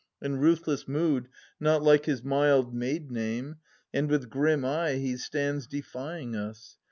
In ruthless mood, not like his mild maid name. And with grim eye, he stands defying us.